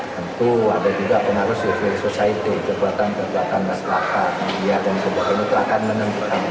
tentu ada juga pengaruh sufi society kekuatan kekuatan masyarakat media dan sebagainya akan menentukan